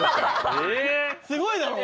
すごいだろ。